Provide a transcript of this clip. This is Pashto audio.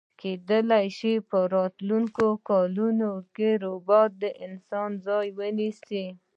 کیدای شی په راتلونکي کلونو کی ربات د انسان ځای ونیسي